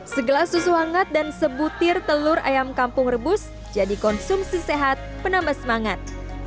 segelas susu hangat dan sebutir telur ayam kampung rebus jadi konsumsi sehat penambah semangat